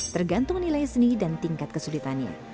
tergantung nilai seni dan tingkat kesulitannya